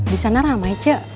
di sana ramai c